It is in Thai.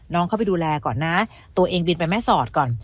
เข้าไปดูแลก่อนนะตัวเองบินไปแม่สอดก่อน